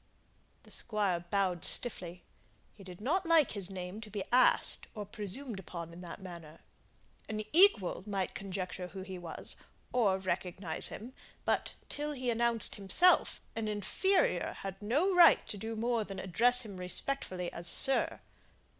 The Squire bowed stiffly. He did not like his name to be asked or presumed upon in that manner. An equal might conjecture who he was, or recognize him, but, till he announced himself, an inferior had no right to do more than address him respectfully as "sir."